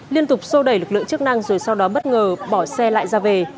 liên tục sô đẩy lực lượng chức năng rồi sau đó bất ngờ bỏ xe lại ra về